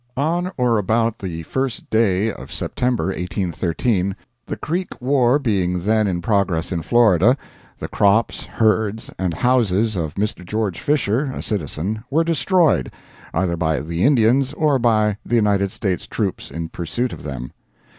On or about the 1st day of September, 1813, the Creek war being then in progress in Florida, the crops, herds, and houses of Mr. George Fisher, a citizen, were destroyed, either by the Indians or by the United States troops in pursuit of them.